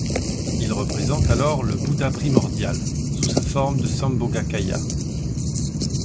Il représente alors le bouddha primordial sous sa forme de Sambhogakāya.